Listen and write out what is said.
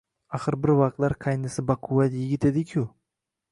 Axir, bir vaqtlar qaynisi baquvvat yigit edi-ku